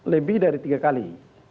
lebih dari tiga kali